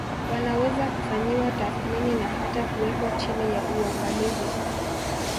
Wanaweza kufanyiwa tathmini na hata kuwekwa chini ya uangalizi